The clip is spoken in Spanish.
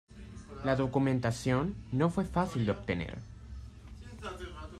La documentación no fue fácil de obtener.